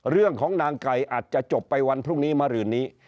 เรื่องของนางไก่อาจจะจบไปวันพรุ่งนี้มารืนนี้